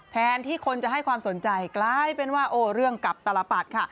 แทนที่คนจะให้ความสนใจกลายเป็นว่าโอ้เรื่องกับตลปัดค่ะ